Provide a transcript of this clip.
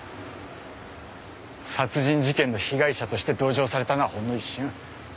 殺人事件の被害者として同情されたのはほんの一瞬。